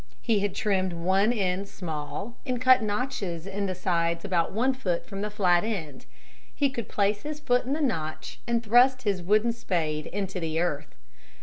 He had trimmed one end small and cut notches in the sides about one foot from the flat end. He could place his foot in the notch and thrust his wooden spade into the earth.